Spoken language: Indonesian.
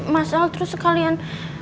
mas alt terus sekalian